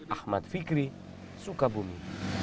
ahmad fikri sukabumi